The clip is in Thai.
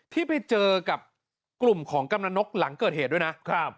ที่ไปเจอกับกลุ่มของกำลังนกหลังเกิดเหตุด้วยนะครับ